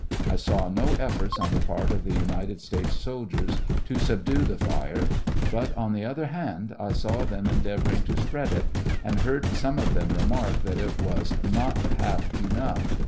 I saw no efforts on the part of the United States soldiers to subdue the fire; but, on the other hand, I saw them endeavoring to spread it, and heard some of them remark that it was not half enough.